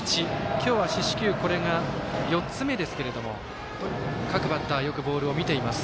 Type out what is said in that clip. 今日は四死球これが４つ目ですけれども各バッターはボールをよく見ています。